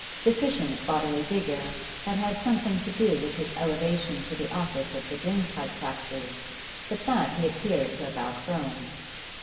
Deficient bodily vigour had had something to do with his elevation to the office of the drain pipe factory, but that he appeared to have outgrown.